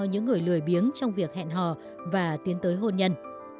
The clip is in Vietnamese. những người lời biếng trong việc hẹn hò và tiến tới hôn nhân